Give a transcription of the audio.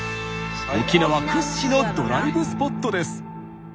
沖縄屈指のドライブスポットです。